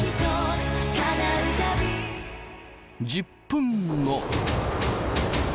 １０分後。